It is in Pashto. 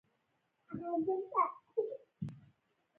دا قوه د آیونونو د یو له بل سره نښلولو لامل ګرځي.